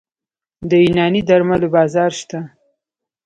د یوناني درملو بازار شته؟